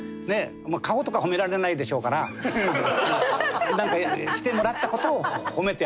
顔とか褒められないでしょうからなんかしてもらった事を褒めてあげるみたいなね。